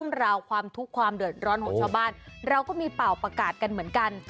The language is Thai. ราวความทุกข์ความเดือดร้อนของชาวบ้านเราก็มีเป่าประกาศกันเหมือนกัน